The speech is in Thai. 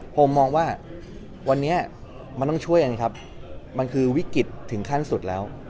ผมมองว่าวันนี้มันต้องช่วยกันครับมันคือวิกฤตถึงขั้นสุดแล้ว